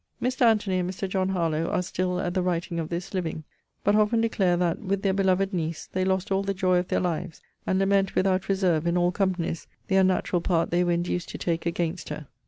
Mr. ANTONY and Mr. JOHN HARLOWE are still (at the writing of this) living: but often declare, that, with their beloved niece, they lost all the joy of their lives: and lament, without reserve, in all companies, the unnatural part they were induced to take against her.